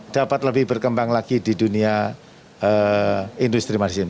dapat lebih berkembang lagi di dunia industri margin